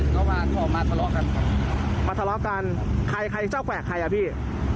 ก็มาขอมาทะเลาะกันมาทะเลาะกันใครใครเจ้าแขวกใครอ่ะพี่